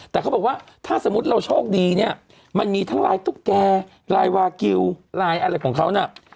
แต่เขาบอกว่าถ้าสมมุติเราโชคดีเนี่ยมันมีทั้งลายตุ๊กแกลายวากิลลายอะไรของเขาน่ะ